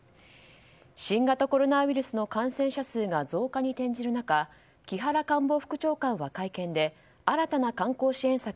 新型コロナウイルスの感染者数が増加に転じる中木原官房副長官は会見で新たな観光支援策